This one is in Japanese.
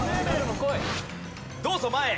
どうぞ前へ。